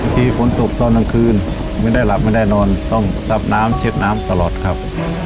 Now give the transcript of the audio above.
ที่ฝนตกตอนกลางคืนไม่ได้หลับไม่ได้นอนต้องซับน้ำเช็ดน้ำตลอดครับ